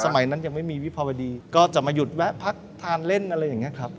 สมัยนั้นยังไม่มีวิภาวดีก็จะมาหยุดแวะพักทานเล่นอะไรอย่างนี้ครับ